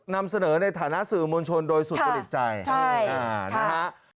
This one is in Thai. นำเสนอในฐานะสื่อมวลชนโดยสุดตริจใจนะฮะค่ะใช่ค่ะ